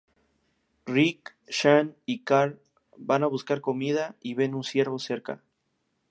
Rick, Shane y Carl van a buscar comida y ven un ciervo cerca.